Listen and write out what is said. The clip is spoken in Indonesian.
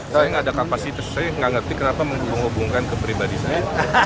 saya nggak ada kapasitas saya nggak ngerti kenapa menghubung hubungkan ke pribadi saya